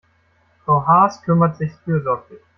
Frau Haas kümmert sich fürsorglich.